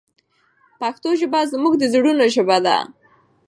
پښتو ژبه زموږ د زړونو ژبه ده.